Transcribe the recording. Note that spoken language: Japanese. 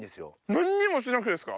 何にもしてなくてですか？